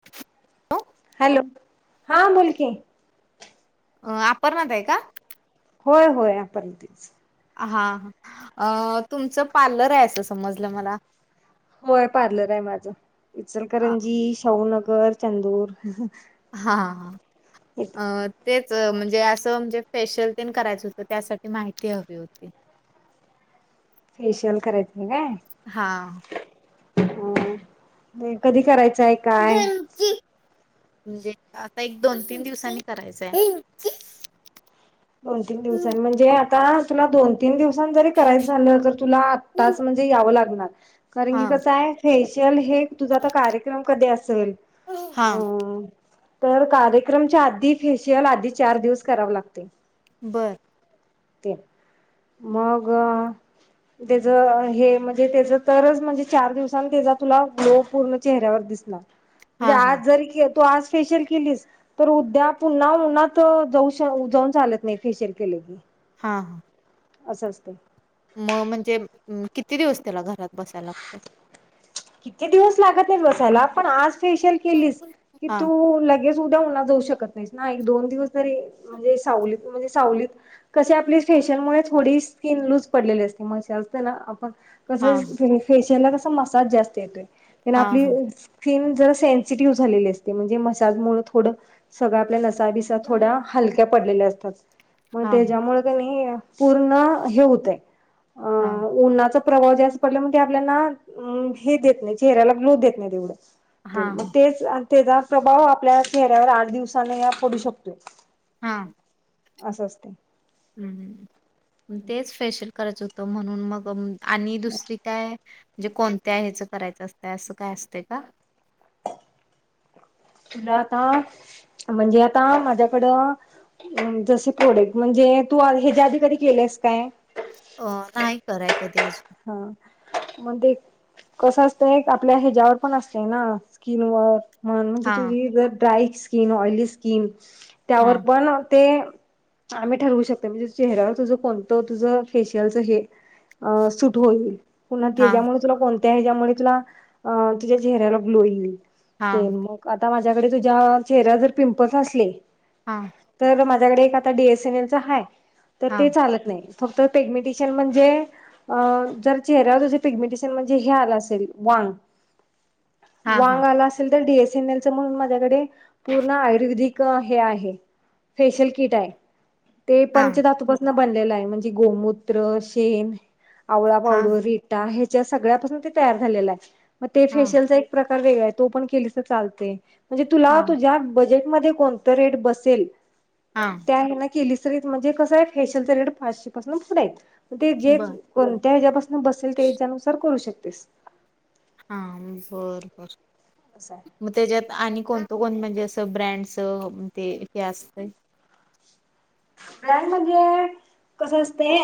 [inaudible] Hello हा बोल की. आं अपर्णा ताई का? होय होय अपर्णा ताईचं हा हा अ तुमचं पार्लर आहे असं समजलं मला. होय पार्लर हाय माझं हा इचलकरंजी, शाहू नगर, चंदूर. हा हा अं तेच म्हणजे असं म्हणजे फेशियल तेन करायचं होतं त्यासाठी माहिती हवी होती. फेशियल करायचय काय? हा हम्म कधी करायचंय? काय [inaudible] म्हणजे आता एक दोन तीन दिवसांनी करायचंय. दोन तीन दिवसांनी म्हणजे आता तुला दोन तीन दिवसांनी जरी करायचं झालं तर तुला आत्ताच म्हण जे यावं लागणार कारण हा की कसं हाय फेशियल हे तुझा आता कार्यक्रम कधी असेल हा अं तर कार्यक्रमच्या आधी फेशियल आधी चार दिवस करावं लागतय. बर ते मंग त्याच हे म्हणजे तेचं तरच म्हणजे चार दिवसान त्याचा तुला ग्लो पूर्ण चेहऱ्यावर दिसणार म्हणजे हा हा आज जरी के तू आज फेशियल केलीस तर उद्या पुन्हा उन्हातं जाऊ श जाऊन चालत नाही फेशियल केलं की हा हा असं असतं म म्हणजे किती दिवस त्याला घरात बसायला लागतय? किती दिवस लागत नाहीत बसायला पण आज फेशियल केलीस की हा तू लगेच तू उद्या उन्हात जाऊ शकत नाहीस ना एक दोन दिवस तरी म्हणजे सावलीत म्हणजे सावलीत कशी आपली फेशियल मुळे थोडी स्किन लूज पडलेली असते मसाज तेनं आपण कस हा फेशियल ला कसं मसाज जास्त येतोय तेन हा आपली हा स्किन जरा सेन्सिटिव्ह झालेली असते म्हणजे मसाजमुळे थोडं सगळं आपल्या नसा बीसा थोड्या हलक्या पडलेल्या असत्यात मग हा त्याच्यामुळे कनी पूर्ण हे व्हतंय हां. उन्हानाचा प्रभाव जास्त पडल्यामुळ ते आपल्याना हे देत नाही चेहऱ्याला ग्लो देत नाही तेवढं. हा ते हा मग तेच त्याचा प्रभाव आपल्या चेहऱ्यावर आठ दिवसान या पडू शकतोय. हां. आसं असतंय. हम हम, म तेच फेशियल करायचं होतं म्हणून मग, आणि दुसरी काय म्हणजे कोणत्या हेचं करायचं असतंय असं काय असतं का? तुला आता म्हणजे आता माझ्याकडं जसे प्रॉडक्ट, म्हणजे तू ह्याच्या आधी कधी केलेस काय? अ नाही कराय कधी अजून. हां, मंग ते कसं असतंय आपल्या ह्याच्यावर पण असतंय ना स्किनवर म्हन, म्हणजे हां तुझी जर ड्राय स्किन, ऑइली स्किन त्यावर हां पण ते आम्ही ठरवू शकतोय, म्हणजे चेहऱ्यावर तुझं कोणतं तुझ फेशियलचं हे सुट होईल, पुन्हा हां त्याच्यामुळे तुला कोणत्या हेच्यामुळे तुला तुझ्या चेहऱ्याला ग्लो येईल. हां तेन मग आता माझ्याकडे तुझ्या चेहऱ्यावर जर पिंपल्स असले हां. तर माझ्याकडे एक आता डी एस एन एल च हाय तर ते हां चालत नाही. फक्त पेगमेटिशयन म्हणजे अ जर चेहऱ्यावर तुझी पिग्मेंटेशन म्हणजे हे आलं असेल वांग हां वांग हां आला असेल तर डी एस एन एल च मंग माझ्याकडे पूर्ण आयुर्वेदिक हे आहे फेशियल किट हाय, ते हां पंचधातू पासन बनलेलं हाय, म्हणजे गोमूत्र, शेन आवळा हां पावडर, रिटा, ह्याच्या सगळ्यापासून ते तयार झालेलं हाय, मग ते हां फेशियलच एक प्रकार वेगळा हाय, तो पण केलीस तर चालतंय, म्हणजे तुला हां तुज्या बजेटमध्ये कोणतं रेट बसेल हां. त्या हेण केलिस तरी म्हणजेच कस फेशेल च रेट पाचशे पासून पुढ आहेत, ते जे बरं कोणत्या हेच्यापासन बसेल त्या हिच्यानुसार करू शकतेस. हां, बर बर. असं हाय. म त्याच्यात आणि कोणतं कोण म्हणजे असं ब्रँडचं ते हे असतंय? ब्रँड म्हणजे कस असतय,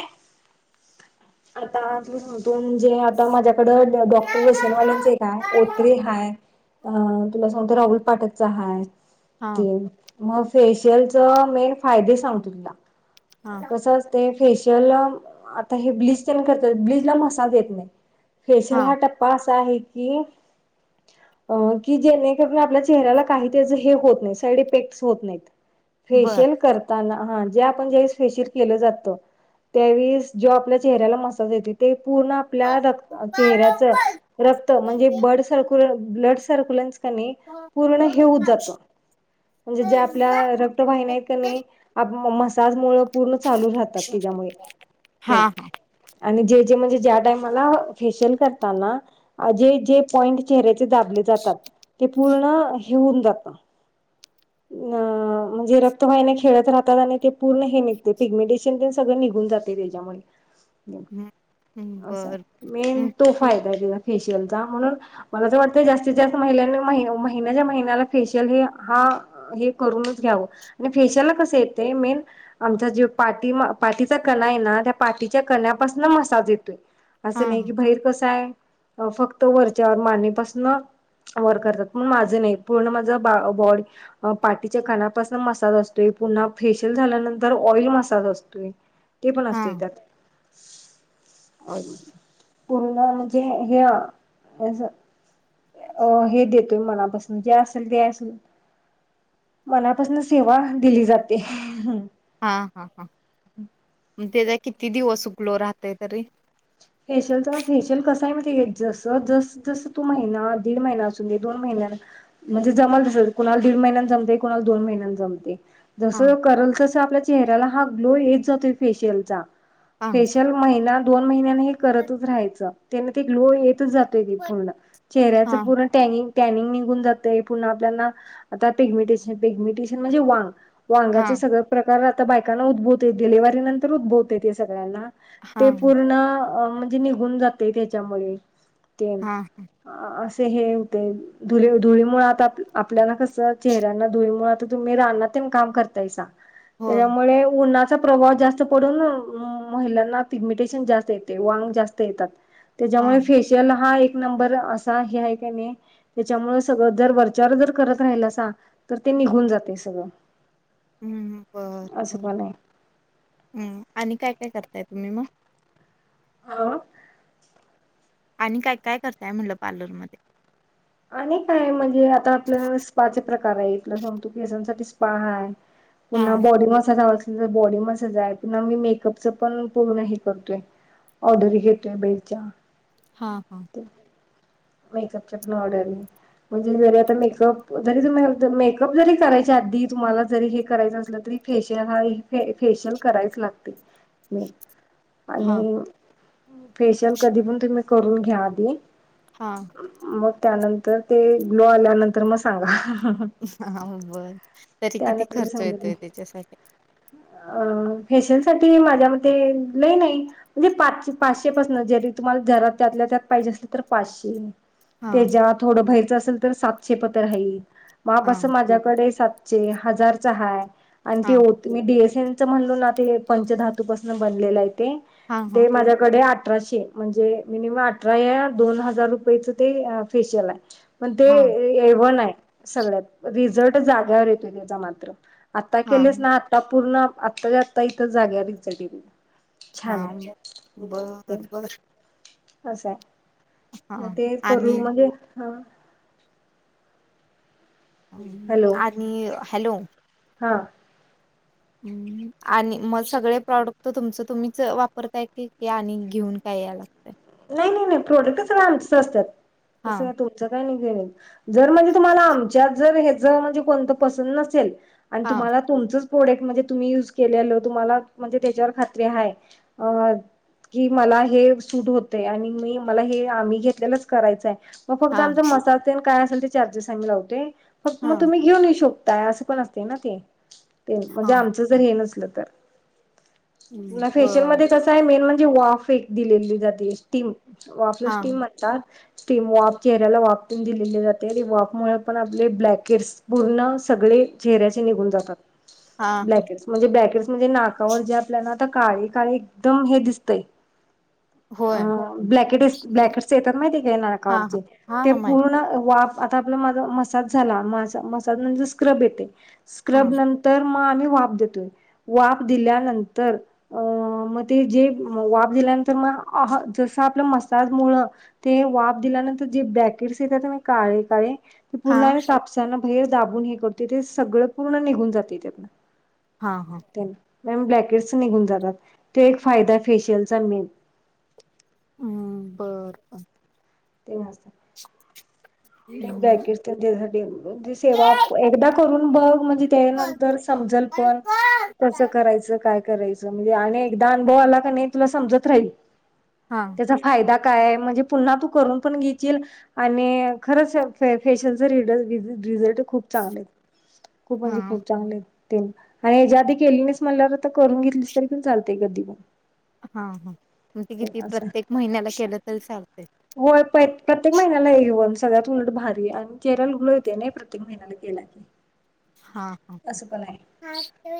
आता तु न जे आता माझ्याकडं डॉक्टर रशियनवाल्यांचे एक हाय, ओत्री हाय अ तुला सांगतो राहुल पाठकच हाय हां तेन. मग फेशियलच मेन फायदे सांगतो तुला. हां तसच ते फेशियल आता हे ब्लच तेन करत्यात ब्लच ला मसाज येत नाही. फेशयल हा हां टप्पा असा आहे की अ की जेणेकरून आपल्या चेहऱ्याला काही हे होत नाही, साईड इफेक्टस होत नाहीत. [inaudible] फेशियल करताना हा जे आपण ज्या वेळीस फेशियल केल जात, त्यावेळीस जो आपल्या चेहऱ्याला मसाज येतोय ते पूर्ण आपल्या रक्त चेहऱ्याचं रक्त म्हणजे ब्लड सर्क्युल ब्लड सर्क्युलनस कनाही पूर्ण हे होत जातं, म्हणजे जे आपल्या रक् रक्तवाहिन्या आहेत की न‌ई आप मसाजमुळ पूर्ण चालू राहतात तिच्यामुळे ते. हां आणि जे जे म्हणजे ज्या टाइमाला फेशियल करताना जे जे पॉइंट चेहऱ्याचे दाबले जातात ते पूर्ण हे होऊन जात अ म्हणजे रक्तवायने खेळत राहतात. ते पूर्ण ते पिगमेंटेशन ते सगळं निघून जाते त्याच्यामुळे. हम हम्म असा बर आहे मेन हम्म तो फायदा आहे तिचा फेशियलचा म्हणून मला तर वाटतं जास्तीत जास्त महिलांनी महिन्याच्या महिन्याला फेशियल हे हा हे करूनच घ्यावं आणि फेशियला कस येतं मेन आमचा जे पाटी पाठीचा कणा आहे ना त्या पाठीच्या कण्यापासन मसाज येतोय. हा असं नाही की बहिर कसं आहे फक्त वरच्यावर माने पासनं वर करतात पण माझं नाही पूर्ण माझा बा बॉडी. अ पाटीच्या कनापासन मसाज असतोय, पुन्हा फेशिल झाल्यानं तर ऑइल मसाज असतोय ते पण हा असते त्यात. पुर्ण म्हणजे हे हे असं. अ हे देतोय मनापासन जे असल ते असल. मनापासन सेवा दिली जाते. हां हा हां म त्याचा किती दिवस गलो राहतय तरी? फेशियल तर फेशियल कस आहे मि जस जस जसं तू महिना दीड महिना असून दे दोन महिन्या म्हणजे जमल तस कुणाला दीड महिन्यात जमते कुणाला दोन महिन्यात जमते. हा जस करल तस आपल्या चेहऱ्याला हा ग्लो येत जातोय फेशियल चा फेशियलचा. हा फेशियल महिना दोन महिन्यानी हे करतच राहायंच त्यांना ते गलो येत जात. चेहरयाचे हा पूर्ण टॅनिंग टॅनिंग निघून जातय पुन्हा आपल्याला आता पेगमिटेशन पिगमिनटेशन म्हणजे वांग. हा वांगाच सगळं प्रकार आता बायकांना उद्भवत य डिलेव्ही नंतर उद्भवतय येते सगळ्यांना. हा ते पूर्ण अ म्हणजे निघून जाते त्याच्यामुळे ते. हा अअ अस हे होते. धुळे धुळी मुळी आपल्याला कस चेहऱ्यांना धुळी मुळ आता तुम्ही राना तेन काम करतायसा. हो त्याच्यामुळे उन्हचा प्रभाव जास्त पडून महिलांना पिगमिटेशन जास्त येते. वांग जास्त येतात हा त्याच्यामुळे फेशियल हा एक नंबर असा हे आहे का नाही. त्याच्यामुळ सगळं जर वरचार जर करत राहील असा तर ते निघून जाते सगळं. हम् हम बरं असं पण आहे बर आणि काय काय करताय तुम्ही मग? हो. आणि काय काय करताय म्हणटलं पार्लरमध्ये? आणि काय म्हणजे आता आपल्या स्पाचे प्रकार आहे इथलं सगतो केसांसाठी स्पा हाय. हा पुन्हा बॉडी मसाज आ पुन्हा बॉडी मसाज आहे पुन्हा मी मेकअपच पण पूर्ण हे करतोय. ऑर्डर घेतोय बेरचा. हा हा. मेकअपच्या पण ऑर्डर म. म्हणजे जरी आता मेकअप जरी तुम्ही मेकअप जरी करायचे आधी तुम्हाला जरी हे करायचं असलं तरी. फेशियल हा फेशियल करायच लागते. मी हा आणि फेशियल कधी पण तुम्ही करून घ्या आधी. हा. मग त्यानंतर ते ग्लो आल्यानंतर मग सांगा. हा बरं तरी किती त्यानंतर मी खर्च समजत येतोय नाही यच्यासाठी? अ फेशिल साठी माझ्या मते लय नाही. म्हणजे पाचशे पाचशे पाासन जरी तुम्हाला जरा त्यातल्या त्यात पाहिजे असंल तर पाचशे. हा त्याच्या थोडं भईरच असेल तर सातशे पतर आहीत माप हा असं माझ्याकडे स.. च हजारच हाय आणि हा त्यो मी डीएस एन चं म्हणलो ना ते पंचधातूपासून बनलेलं आहे ते. हा हा ते माझ्याकडे अठराशे म्हणजे मिनमम अठरा दोन हजार रुपयंच ते अ फेशिअल आहे पण ते.. हा ए वन आहे सगळ्यात, रिझल्ट जाग्यावर येतोय त्याचा मात्र आता हा केलेच ना.. आता पूर्ण आत्ताच्या आता इथं जाग्यावर रिझल्ट हा बरं बरं अस स आहे. हा आणि हा.. आणि हॅलो! हां! हम्म आणि मग सगळे प्रॉडक्ट तुमचं तुम्हीच वापरताय क आणि घेऊन काय याय लागतंय. नाही नाही नाही प्रोडक्ट सगळे आमचं असतात हा तसं तुमचं काही नाही घेउन यायचं. जर म्हणजे तुम्हाला आमच्यात जर हच म्हणजे कोणतं पसंत नसेल आणि हा तुम्हाला.. तुमचच प्रोडक्ट म्हणजे तुम्ही युज केलेल तुम्हाला म्हणजे त्यांच्यावर खात्री आहे. कि मला हे सूट होत.. आणि मी मला हे आम्ही घेतलेलंच करायचंय मग फक्त हा आमचा मसाज.. काय असल ते चार्जेस आम्ही लावतोय, फक्त हा मग तुम्ही घेऊन ये शकताय अस पण असते ना ते. ते म्हणजे हा आमचं जर हे नसल तर फेशिअल बर मध्ये क मेन म्हणजे वाफ एक दिलेली जाते स्टीम वाफला हा स्टीम म्हणतात. ते स्टिम वाफ चेहऱ्याला वाफ प दिलेली जाते वाफ मुळे पण आपले ब्लॅकेटस पूर्ण सगळे चेहऱ्याचे निघून जातात. हा ब्लॅकेट्स म्हणजे ब्लॅकेटस म्हणजे नाकावर जे आपल्याला आता काळे काळे एकदम हे दिसतंय अ होय ब्लॅकेटस ब्लॅकेटस येतात माहिती का हा हा नाकावरचे हा ते हा माहित पूर्ण वाफ आता आपला माझा मसाज झाला मसाज नंतर स्क्रब येते, हा स्क्रब न तर मग आम्ही वाप देतोय. वाफ दिल्यानंतर अ मग ते जे वाफ दिल्यानंतर मग.. अहा जसं आपलं मसाज मुळं- ते वाफ दिल्यानंतर जे बॅकेट्स येत त्या म काळे काळे ते पूर्ण हा आणि कापसाना भाहेर दाबून हे करतोय ते सगळं पूर्ण निघून जाते त्यात. हा हा म ब्लॅकेट निघून जातात, तो एक फायदा फेशियलचा मेन. हम्म बरं बर ते ते ब्रॅकेट बर तेन निघून म्हणे सेवा एकदा करून बघ म्हणजे त्यानंतर समजल पण. कसं करायचं काय करायचं म्हणजे आणि एकदा अनुभव आला का नाही तुला समजत राहील. हा! त्याचा फायदा काय म्हणजे पुन्हा तू करून पण घेचील आणि खरंच फेशल रिज- रिझल्ट खूप चांगले आहेत, खूप हा मणजे हा खूप चांगले आहेत. तीन, आणि हज्या आधी केली नाहीस म्हणल्यावर आता करून घेतलीस तरी पण चालतय कधी पण. हा हा, म्हणते कि ती असं प्रत्येक महिन्याला केलं तरी चालतय. होय, प्रत्येक महिन्याला घेऊन सगळ्यात उलटं भारी, आणि चेहर्याला ग्लो येतय नाही प्रत्येक महिन्याला केला हां. असं पण आहे,,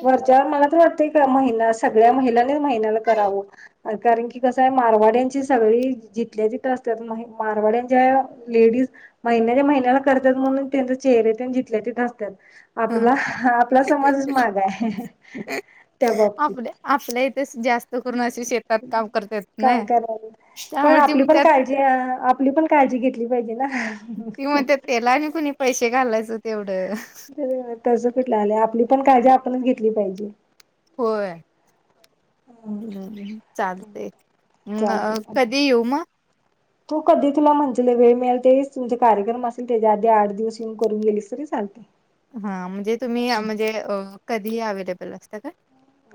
वरच्यावर मला तर वाटतय का महिना असं सगळ्या महिलांनी महिन्याला करावं. कारण की कसंय, मारवाड्यांची सगळी जिथल्या तिथं असत्यात,, मारवाड्यांच्या लेडीज महिन्याच्या महिन्याला करत्यात म्हणून त्यांचे चेहरे तेन जिथल्या तीथं आसत्यात. आपला, हा आपला समाजच मागं आय त्या बाबतीत. आपल्या आपल्या इथेच जास्त करून अशे शेतात काम करत्यात नाई,, त्यामुळे ते म्हणत्यात -जे आपली पण काळजी घेतली पाहिजे ना. ती म्हणत्यात, तेला आणि कुणी पैशे घालायचं तेवढं. तसं कुठलं आलं, आपली पण काळजी आपणच घेतली पाहिजे. होय. हम्म, चालतय,, चालते कधी येऊ मग? तू कधी तुला म्हणज वेळ मिळेल तेच, तुमचे कार्यक्रम असेल त्याच्या आधी आठ दिवस येऊन, करून गेलीस तरी चालतंय. हा म्हजे तुम्ही, म्हजे अ कधीही अवे्लेबल असता का?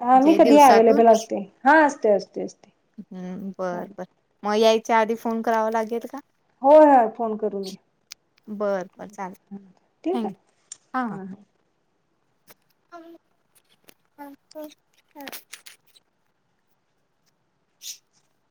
हा मी म्हणजे कधी दिवसातून? अवे्लेबल असतोय,, हा असतोय असतोय असतोय. हम्म बर बर,, मग यायच्या आधी फोन करावा लागेल का? होय ह फोन करून या. बर बर चालेल,, ठीक आहे थँंक्यू,, हा हा. [unintelligible] [inaudible]